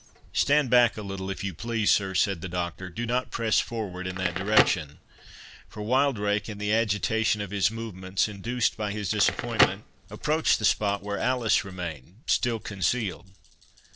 "Stand back a little, if you please, sir," said the Doctor; "do not press forward in that direction."—For Wildrake, in the agitation of his movements, induced by his disappointment, approached the spot where Alice remained still concealed.